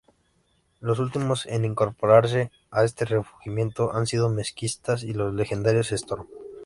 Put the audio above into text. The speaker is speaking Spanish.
Los últimos en incorporarse a este resurgimiento, han sido Mezquita y los legendarios Storm.